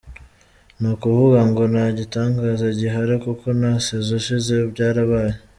Ni ukuvuga ngo nta gitangaza gihara kuko na saison ishize byarabaye.